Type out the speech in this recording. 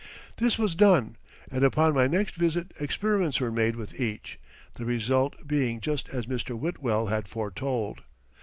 This was done, and upon my next visit experiments were made with each, the result being just as Mr. Whitwell had foretold.